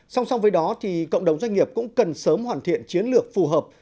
song song với đó cộng đồng doanh nghiệp cũng cần sớm hoàn thiện chiến lược phù hợp